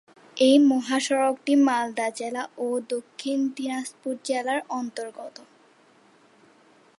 এই মহাসড়কটি মালদা জেলা ও দক্ষিণ দিনাজপুর জেলার অন্তর্গত।